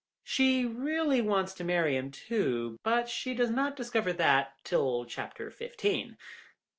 She really wants to marry him, too, but she does not discover that till chapter fifteen.